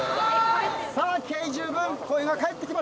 気合十分声が返ってきました。